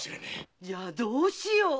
じゃあどうしよう？